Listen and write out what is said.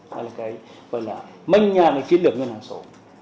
hay là mênh nhà để kiến được ngân hàng số